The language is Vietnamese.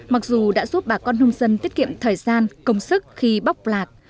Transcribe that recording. mặc dù đã giúp bà con nông dân tiết kiệm thời gian công sức khi bóc lạc